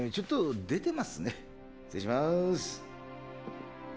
失礼しまーす。